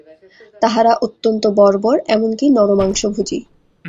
তাহারা অত্যন্ত বর্বর, এমন কি নরমাংসভোজী।